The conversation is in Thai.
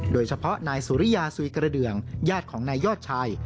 โดยเฉพาะนายสุริยาสุยกระเดืองญาติของนายยอดชาย